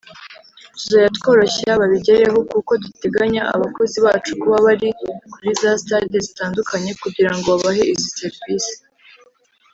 tuzajya tworoshya babigereho kuko duteganya abakozi bacu kuba bari kuri za stade zitandukanye kugira ngo babahe izi servisi